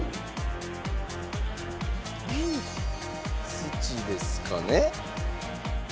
土ですかね？